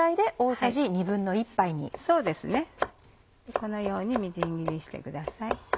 このようにみじん切りにしてください。